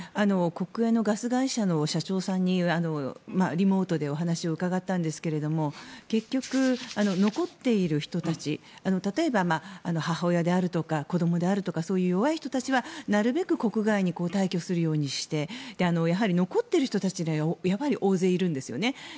国営のガス会社の社長さんにリモートでお話を伺ったんですが結局残っている人たち例えば母親であるとか子供とかそういう弱い人たちはなるべく国外に退去するようにしてやはり残っている人たちが大勢いるんですよね。